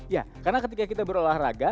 ya karena ketika kita berolahraga